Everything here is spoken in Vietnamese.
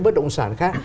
bất động sản khác